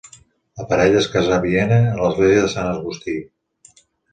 La parella es casà a Viena a l'església de Sant Agustí.